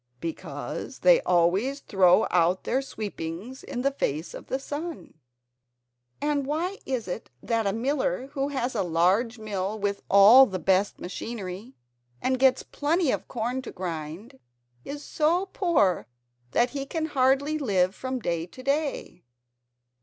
"Because they always throw out their sweepings in the face of the sun." "And why is it that a miller, who has a large mill with all the best machinery and gets plenty of corn to grind is so poor that he can hardly live from day to day?"